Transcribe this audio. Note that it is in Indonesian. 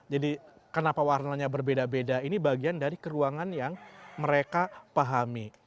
jadi kenapa warnanya berbeda beda ini bagian dari keruangan yang mereka pahami